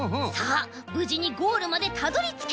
ぶじにゴールまでたどりつけるでしょうか？